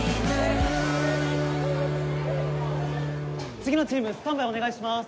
次のチームスタンバイお願いします。